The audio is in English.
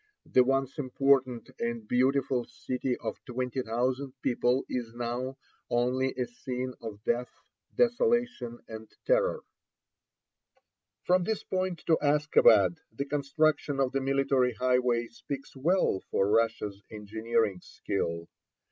The once important and beautiful city of twenty thousand people is now only a scene of death, desolation, and terror." 100 Across Asia on a Bicycle [in] From this point to Askabad the construction of the military highway speaks well for Russia's engineering skill.